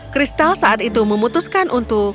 kristal saat itu memutuskan untuk